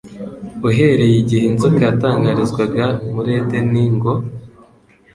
Uhereye igihe inzoka yatangarizwaga muri Edeni ngo,